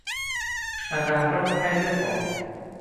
อาการโรคไข้เลือดออก